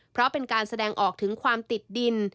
เพราะเป็นการแสดงออกถึงความติดดิน